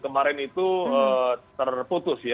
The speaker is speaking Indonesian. kemarin itu terputus ya